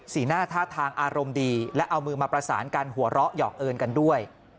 หน้าท่าทางอารมณ์ดีและเอามือมาประสานกันหัวเราะหอกเอิญกันด้วย